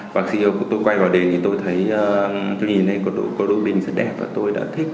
và khi tôi quay vào đền thì tôi thấy tôi nhìn thấy có đôi bình rất đẹp và tôi đã thích